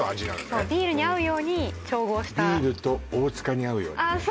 そうビールに合うように調合したビールと大塚に合うようにねああ